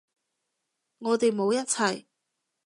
我哋冇一齊